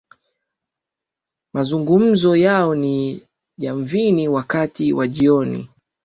Mazungumzo yao ni Jamvini wakati wa jioni